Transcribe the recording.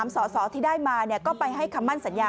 สอสอที่ได้มาก็ไปให้คำมั่นสัญญา